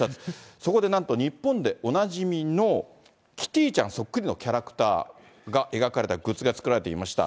そこでなんと日本でおなじみのキティちゃんそっくりのキャラクターが描かれたグッズが作られていました。